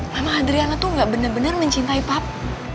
mamah adriana tuh gak bener bener mencintai papi